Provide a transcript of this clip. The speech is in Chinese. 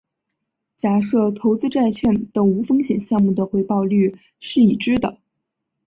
假设投资债券等无风险项目的回报率是已知的。